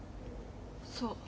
そう。